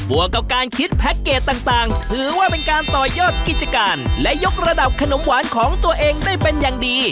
วกกับการคิดแพ็คเกจต่างถือว่าเป็นการต่อยอดกิจการและยกระดับขนมหวานของตัวเองได้เป็นอย่างดี